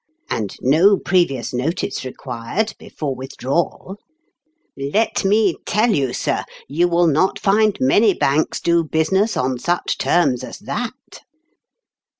And no previous notice required before withdrawal ! Let me tell you, 23 sir, you will not find many banks do business on such terms as that